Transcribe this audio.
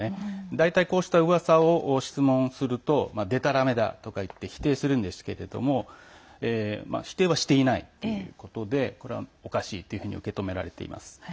大体こうした、うわさを質問するとでたらめだとかいって否定するんですけれども否定はしていないということでこれはおかしいと受け止められています。